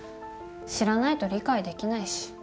知らないと理解できないし。